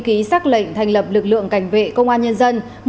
ký xác lệnh thành lập lực lượng cảnh vệ công an nhân dân